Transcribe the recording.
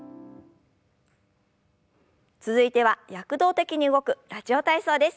続いては躍動的に動く「ラジオ体操」です。